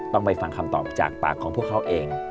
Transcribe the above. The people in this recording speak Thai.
ต้องไปฟังคำตอบจากปากของพวกเขาเอง